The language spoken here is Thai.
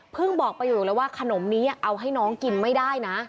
เพิ่งบอกไปอยู่แล้วว่าขนมนี้เอาให้น้องกินไม่ได้นะ